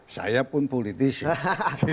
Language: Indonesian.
saya pun politisi